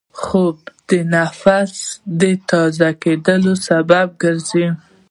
خوب د نفس د تازه کېدو سبب دی